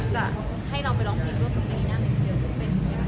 จะให้เราไปร้องเพลงด้วยเพลงอันนี้นะ